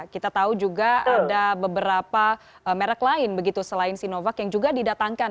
kita tahu juga ada beberapa merek lain begitu selain sinovac yang juga didatangkan